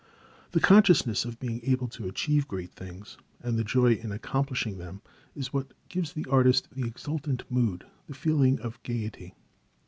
The consciousness of being able to achieve great things, and the joy in accomplishing them, is what gives the artist the exultant mood, the feeling of gayety.